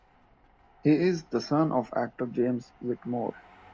He is the son of actor James Whitmore.